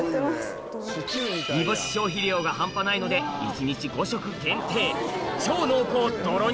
煮干し消費量が半端ないので１日５食限定超濃厚ドロ